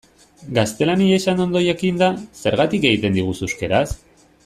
Gaztelaniaz hain ondo jakinda, zergatik egiten diguzu euskaraz?